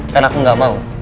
dan aku gak mau